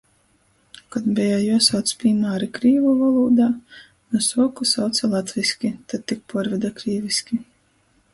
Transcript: Kod beja juosauc pīmāri krīvu volūda, nu suoku sauce latvyski, tod tik puorvede krīvyski.